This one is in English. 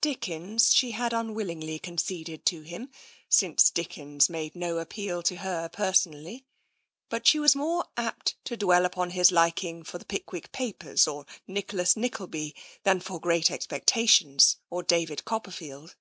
Dickens she had unwillingly conceded to him, since Dickens made no appeal to her personally, but she was more apt to dwell upon his liking for the Pickwick Papers " and " Nicholas Nickleby " than for " Great Expectations " or " David Copperfield."